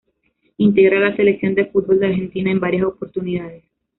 Integra la Selección de fútbol de Argentina en varias oportunidades.